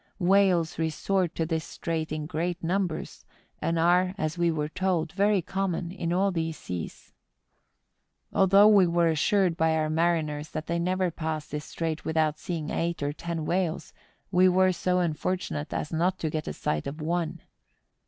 Whales resort to this strait in great numbers, and are, as we were told, very common in all these seas. Although we were assured by our mariners that they never passed this strait without seeing eight or ten whales, we were so unfortunate as not to get a sight of one.